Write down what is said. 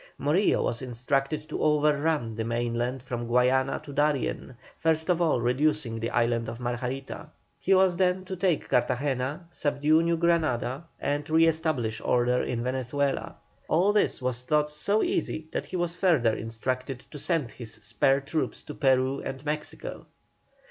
Morillo was instructed to overrun the mainland from Guayana to Darien, first of all reducing the island of Margarita. He was then to take Cartagena, subdue New Granada, and to re establish order in Venezuela. All this was thought so easy that he was further instructed to send his spare troops to Peru and Mexico.